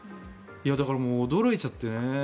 だから、驚いちゃってね。